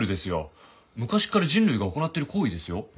昔から人類が行っている行為ですよ。